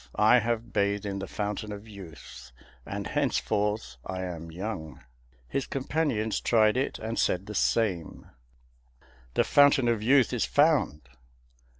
I have bathed in the Fountain of Youth, and henceforth I am young." His companions tried it, and said the same: "The Fountain of Youth is found."